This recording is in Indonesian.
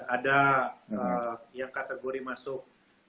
ada yang kategori masuk